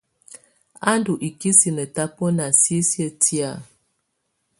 A ndù ikisinǝ tabɔna sisiǝ́ tɛ̀á.